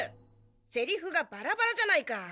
セリフがバラバラじゃないか。